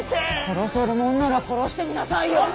「殺せるもんなら殺してみなさいよ」